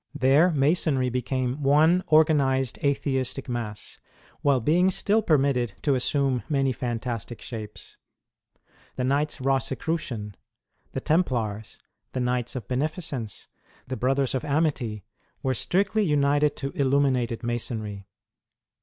There Masonry became one organized Atheistic mass, while being still permitted to assume many flmtastic shapes. The Knights Rossicrucian, the Templars, the Knights of Beneficence, the Brothers of Amity were strictly united to Illuminated Masonry.